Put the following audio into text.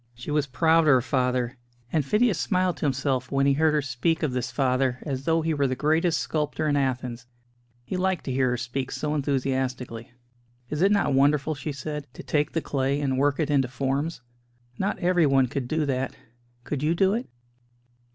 She was proud of her father; and Phidias smiled to himself when he heard her speak of this father as though he were the greatest sculptor in Athens. He liked to hear her speak so enthusiastically. "Is it not wonderful," she said, "to take the clay and work in into forms? Not everyone could do that could you do it?"